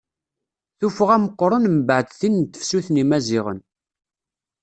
Tuffɣa meqqren mbeɛd tin n Tefsut n yimaziɣen.